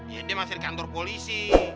ya dia masih ke kantor polisi